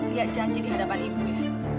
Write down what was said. liat janji dihadapan ibu ya